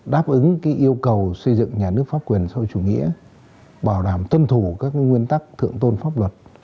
đáp ứng yêu cầu xây dựng nhà nước pháp quyền sau chủ nghĩa bảo đảm tuân thủ các nguyên tắc thượng tôn pháp luật